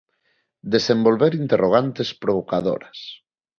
Desenvolver interrogantes provocadoras.